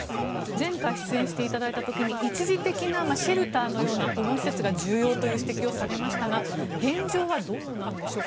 前回出演していただいた時に一時的なシェルターのような保護施設が重要と話されましたが現状はどうなんでしょうか。